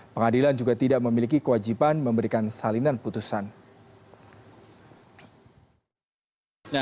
pengadilan juga tidak memiliki kewajiban memberikan salinan putusan